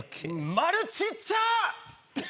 丸小っちゃ！